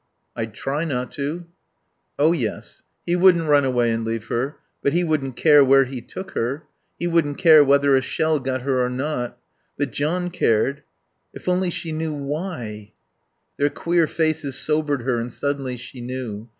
"I'd try not to." Oh yes. He wouldn't run away and leave her. But he wouldn't care where he took her. He wouldn't care whether a shell got her or not. But John cared. If only she knew why.... Their queer faces sobered her and suddenly she knew.